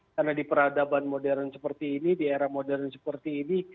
karena di peradaban modern seperti ini di era modern seperti ini